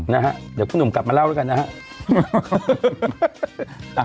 นะฮะเดี๋ยวคุณหนุ่มกลับมาเล่าแล้วกันนะฮะ